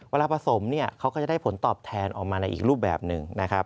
เวลาผสมเขาก็จะได้ผลตอบแทนออกมาในอีกรูปแบบหนึ่ง